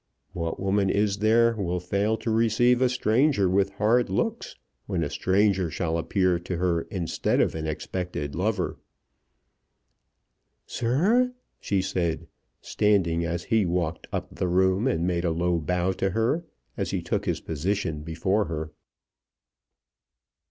What woman is there will fail to receive a stranger with hard looks when a stranger shall appear to her instead of an expected lover? "Sir?" she said, standing as he walked up the room and made a low bow to her as he took his position before her.